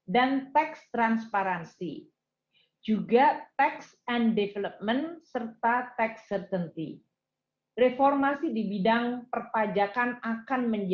di sini akan dibahas berbagai proses